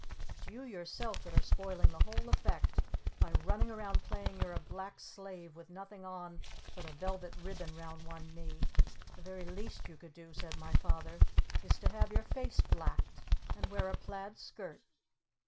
"It's you yourself that are spoiling the whole effect by running around playing you're a Black Slave with nothing on but a velvet ribbon round one knee! The very least you could do," said my Father, "is to have your face blacked! And wear a plaid skirt!"